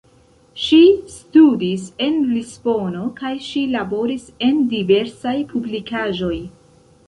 Ŝi studis en Lisbono kaj ŝi laboris en diversaj publikaĵoj.